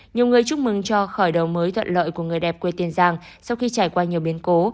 nhiều người chúc mừng cho khởi đầu mới thuận lợi của người đẹp quê tiền giang sau khi trải qua nhiều biến cố